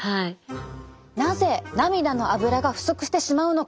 なぜ涙のアブラが不足してしまうのか。